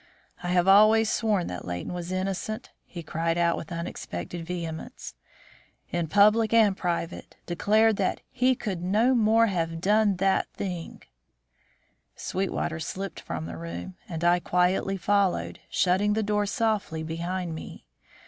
"I have always sworn that Leighton was innocent," he cried out with unexpected vehemence. "In public and private, declared that he could no more have done that thing " Sweetwater slipped from the room and I quietly followed, shutting the door softly behind me.